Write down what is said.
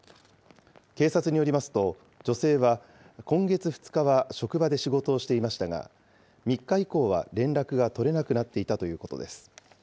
警察によりますと、女性は今月２日は職場で仕事をしていましたが、３日以降は連絡が取れなくなっていたということです。